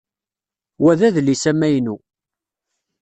Wa d adlis amaynu.